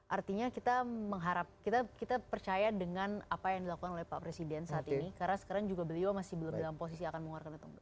artinya kita mengharap kita percaya dengan apa yang dilakukan oleh pak presiden saat ini karena sekarang juga beliau masih belum dalam posisi akan mengeluarkan itu